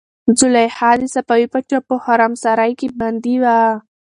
زلیخا د صفوي پاچا په حرمسرای کې بندي وه.